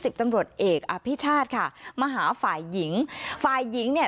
ตำรวจเอกอภิชาติค่ะมาหาฝ่ายหญิงฝ่ายหญิงเนี่ย